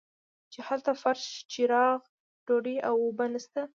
چې هلته فرش چراغ ډوډۍ او اوبه نشته.